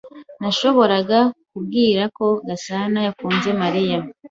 Nashoboraga kubwira ko Gasana yakunze Mariya.